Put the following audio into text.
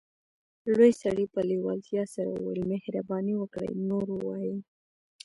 لوی سړي په لیوالتیا سره وویل مهرباني وکړئ نور ووایئ